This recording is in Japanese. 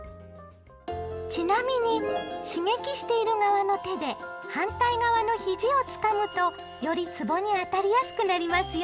ちなみに刺激している側の手で反対側の肘をつかむとよりつぼに当たりやすくなりますよ！